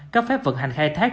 các phép vận hành khai thác